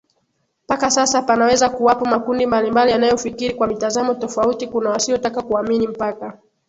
Mpaka sasa panaweza kuwapo makundi mbalimbali yanayofikiri kwa mitazamo tofauti Kuna wasiotaka kuamini mpaka